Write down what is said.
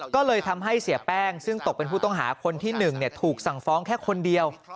ก็เลยทำให้เสียแป้งซึ่งตกเป็นผู้ต้องหาคนที่๑ถูกสั่งฟ้องแค่คนเดียว